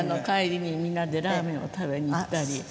帰りにみんなでラーメンを食べに行ったり。